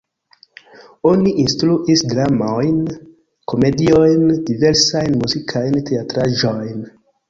Oni instruis dramojn, komediojn, diversajn muzikajn teatraĵojn.